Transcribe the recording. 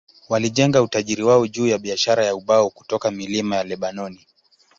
Walijenga utajiri wao juu ya biashara ya ubao kutoka milima ya Lebanoni.